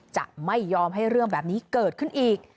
จะไม่ยอมให้เรื่องแบบนี้เกิดขึ้นอีก